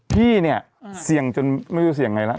พี่เนี่ยเสี่ยงจนไม่รู้จะเสี่ยงไงแล้ว